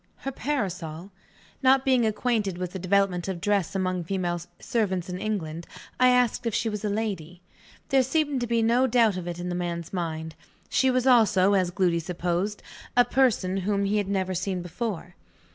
Her parasol? Not being acquainted with the development of dress among female servants in England, I asked if she was a lady. There seemed to be no doubt of it in the man's mind. She was also, as Gloody supposed, a person whom he had never seen before.